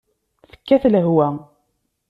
Tekkat lehwa.